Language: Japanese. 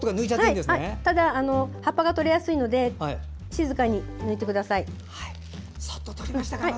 ただ、葉っぱが取れやすいので静かに抜いてください。